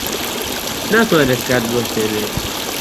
ناتوانرێت کات بوەستێنرێت.